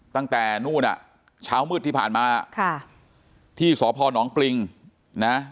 ตั้งแต่นู่นอ่ะเช้ามืดที่ผ่านมาค่ะที่สพนปริงนะ